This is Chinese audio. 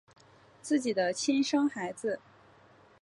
自己的亲生孩子